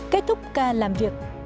kết thúc ca làm việc